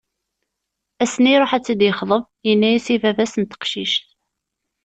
Ass-nn iruḥ ad tt-id-yexḍeb, yenna-as i baba-s n teqcict.